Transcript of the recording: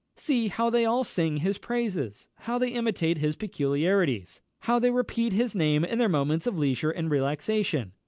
See how they all sing his praises! how they imitate his peculiarities! how they repeat his name in their moments of leisure and relaxation!